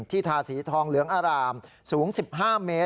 ทาสีทองเหลืองอารามสูง๑๕เมตร